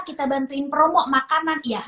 kita bantuin promo makanan ya